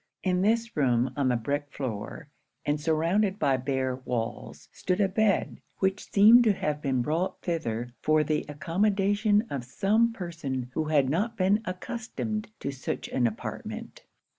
In this room, on the brick floor, and surrounded by bare walls, stood a bed, which seemed to have been brought thither for the accommodation of some person who had not been accustomed to such an apartment.